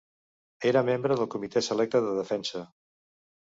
Era membre del Comitè Selecte de Defensa.